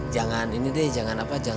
jangan ini deh jangan apa jangan